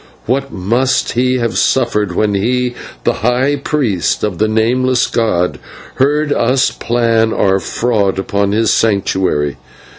what must he have suffered when he, the high priest of the Nameless god, heard us plan our fraud upon his Sanctuary.